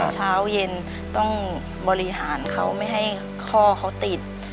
เช้าเย็นต้องบริหารเขาไม่ให้พ่อเขาติด